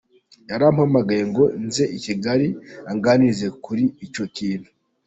Yarampamagaye ngo nze i Kigali anganiriza kuri icyo kintu.